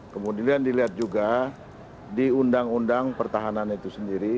kemudian dilihat juga di undang undang pertahanan itu sendiri